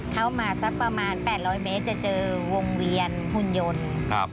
จะเจอวงเวียนหุ่นยนต์